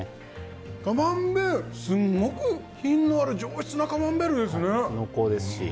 すごく品のある上質なカマンベールですね。